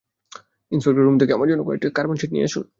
ইন্সপেক্টরের room থেকে আমার জন্য কয়েকটা কার্বন শীট নিয়ে আসুন।